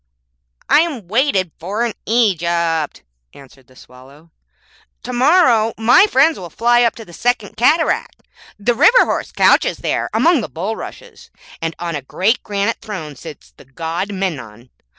'I am waited for in Egypt,' answered the Swallow. To morrow my friends will fly up to the Second Cataract. The river horse couches there among the bulrushes, and on a great granite throne sits the God Memnon.